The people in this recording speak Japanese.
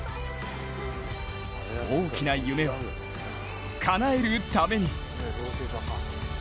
大きな夢をかなえるために。